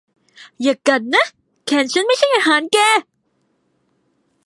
อย่ากัดนะ แขนฉันไม่ใช่อาหารแก